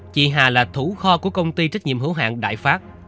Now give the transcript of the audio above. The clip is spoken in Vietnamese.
chị hà là thủ kho của công ty trách nhiệm hữu hạng đại pháp